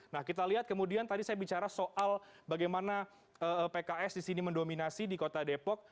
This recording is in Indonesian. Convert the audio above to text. nah kita lihat kemudian tadi saya bicara soal bagaimana pks di sini mendominasi di kota depok